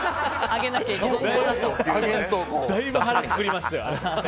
だいぶ腹くくりましたよ。